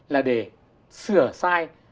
là để sửa sai